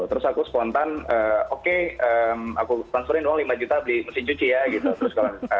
terus aku spontan oke aku transferin uang lima juta beli mesin cuci ya gitu